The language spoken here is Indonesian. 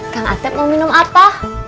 kang asep mau minum apa